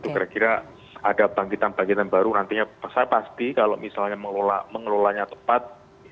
kira kira ada bangkitan bangkitan baru nantinya saya pasti kalau misalnya mengelolanya tepat